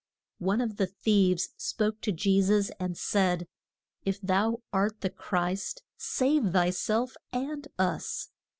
] One of the thieves spoke to Je sus and said, If thou art the Christ save thy self and us.